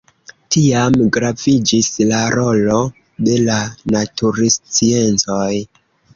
Tiam graviĝis la rolo de la natursciencoj.